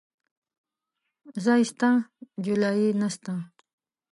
ځاى سته ، جولايې نسته.